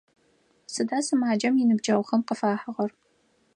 Сыда сымаджэм иныбджэгъухэм къыфахьыгъэр?